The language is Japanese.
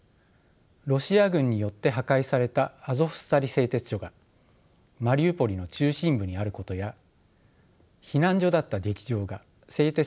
ロシア軍によって破壊されたアゾフスタリ製鉄所がマリウポリの中心部にあることや避難所だった劇場が製鉄所のすぐ近くにあることなどが見えてきます。